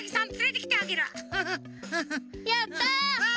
やった！